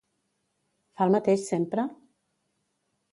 Fa el mateix sempre?